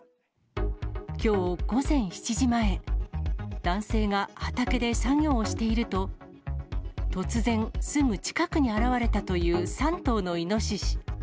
きょう午前７時前、男性が畑で作業をしていると、突然、すぐ近くに現れたという３頭のイノシシ。